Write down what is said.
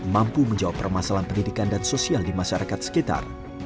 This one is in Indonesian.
mampu menjawab permasalahan pendidikan dan sosial di masyarakat sekitar